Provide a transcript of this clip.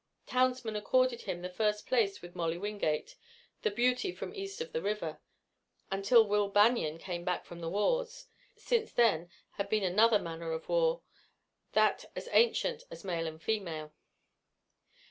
Townsmen accorded him first place with Molly Wingate, the beauty from east of the river, until Will Banion came back from the wars. Since then had been another manner of war, that as ancient as male and female.